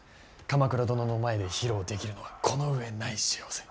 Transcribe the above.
鎌倉殿の前で披露できるのはこの上ない幸せ。